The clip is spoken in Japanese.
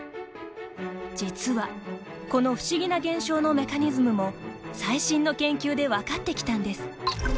実は、この不思議な現象のメカニズムも最新の研究で分かってきたんです。